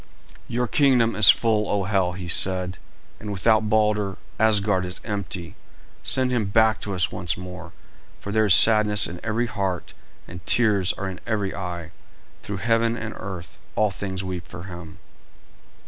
"Your kingdom is full, O Hel!" he said, "and without Balder, Asgard is empty. Send him back to us once more, for there is sadness in every heart and tears are in every eye. Through heaven and earth all things weep for him."